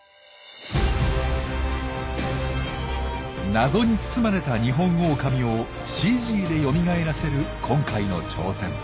謎に包まれたニホンオオカミをＣＧでよみがえらせる今回の挑戦。